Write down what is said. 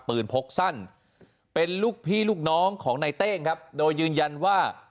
พกสั้นเป็นลูกพี่ลูกน้องของในเต้งครับโดยยืนยันว่า